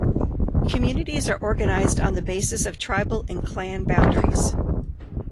Communities are organized on the basis of tribal and clan boundaries.